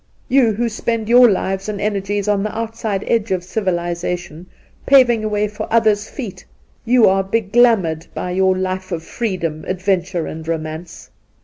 You who spend your lives and energies on the outside edge of civilization paving a way for others' feet — you are beglamoured by your " life of freedom, adventure, and romance."